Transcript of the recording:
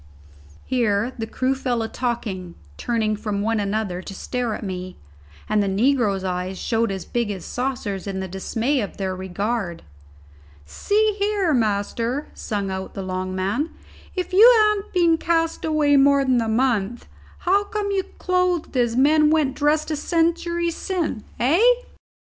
Here the crew fell a talking, turning from one another to stare at me, and the negroes' eyes showed as big as saucers in the dismay of their regard. "See, here, master," sung out the long man, "if you han't been cast away more than a month, how come you clothed as men went dressed a century sin', hey?"